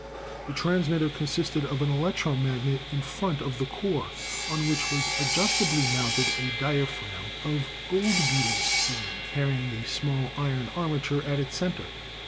The transmitter consisted of an electromagnet in front of the core, on which was adjustably mounted a diaphragm of goldbeater's skin carrying a small iron armature at its center.